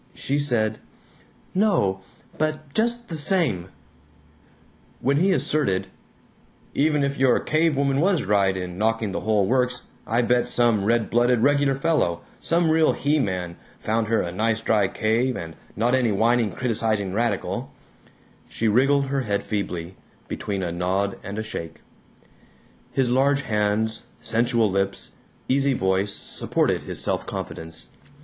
she said, "No, but just the same " When he asserted, "Even if your cavewoman was right in knocking the whole works, I bet some red blooded Regular Fellow, some real He man, found her a nice dry cave, and not any whining criticizing radical," she wriggled her head feebly, between a nod and a shake. His large hands, sensual lips, easy voice supported his self confidence.